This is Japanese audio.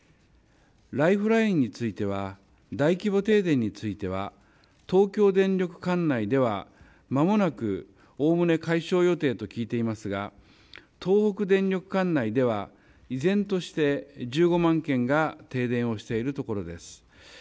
ライフラインについては、大規模停電については、東京電力管内ではまもなくおおむね解消予定と聞いていますが東北電力管内では依然として１５万件が停電をしているところです。